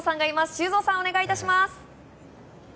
修造さん、お願いいたします。